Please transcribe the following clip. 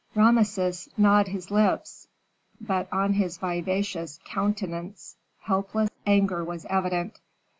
Rameses gnawed his lips, but on his vivacious countenance helpless anger was evident.